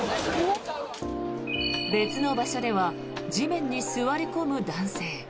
別の場所では地面に座り込む男性。